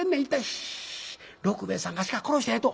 「シ六兵衛さんが鹿殺したんやと」。